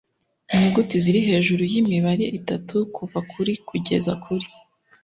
Inyuguti ziri hejuru y imibare itatu kuva kuri kugeza kuri